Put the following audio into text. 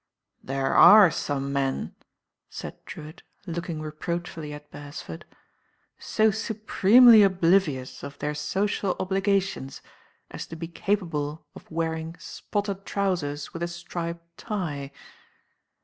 "There are some men," said Drewitt, looking reproachfully at Beresford, "so supremely oblivious of their social obligations as to be capable of wear^ ing spotted trousers with a striped tie.